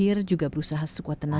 air juga berusaha sekuat tenaga